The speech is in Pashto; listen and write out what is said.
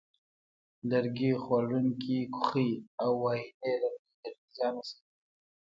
لرګي خوړونکې کوخۍ او وایینې لرګیو ته ډېر زیان رسوي.